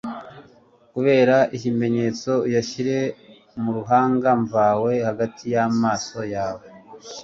akubere ikimenyetso, uyashyire mu ruhanga mvawe hagati y'amaso yawe »